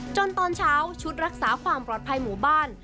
ตอนเช้าชุดรักษาความปลอดภัยหมู่บ้าน